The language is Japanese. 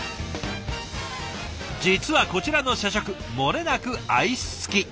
実はこちらの社食もれなくアイス付き。